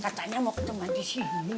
katanya mau ketemu di sini